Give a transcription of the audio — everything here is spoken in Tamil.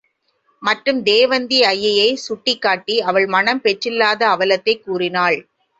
மற்றும் தேவந்தி ஐயையைச் சுட்டிக் காட்டி அவள் மணம் பெற்றில்லாத அவலத்தைக் கூறினாள்.